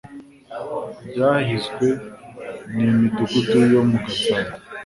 byahizwe ni midugudu yo mu gatsata